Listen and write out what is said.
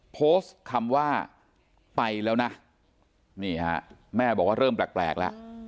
โพสต์คำว่าไปแล้วนะนี่ฮะแม่บอกว่าเริ่มแปลกแล้ว